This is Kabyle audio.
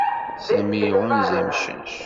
Sami iɣunza imcac.